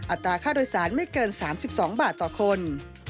อัตราค่าโดยสารไม่เกิน๓๒บาทต่อคน